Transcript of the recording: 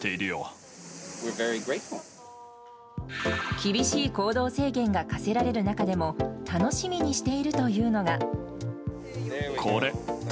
厳しい行動制限が課せられる中でも楽しみにしているというのが。